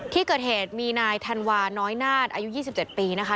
ที่เกิดเหตุมีนายธันวาน้อยนาศอายุ๒๗ปีนะคะ